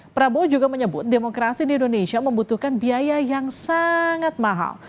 prabowo juga menyebut demokrasi di indonesia membutuhkan biaya yang sangat mahal